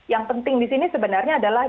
yang penting di sini sebenarnya adalah